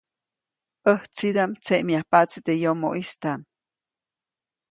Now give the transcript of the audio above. ʼÄjtsidaʼm tseʼmyajpaʼtsi teʼ yomoʼistaʼm.